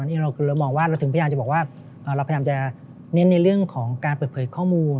นี่เรามองว่าเราถึงพยายามจะบอกว่าเราพยายามจะเน้นในเรื่องของการเปิดเผยข้อมูล